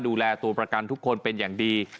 ดูแลตัวประกันทุกคนเป็นอย่างดี